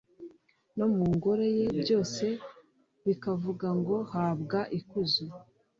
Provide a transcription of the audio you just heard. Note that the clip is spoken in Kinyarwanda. No mu Ngoro ye byose bikavuga ngo Habwa ikuzo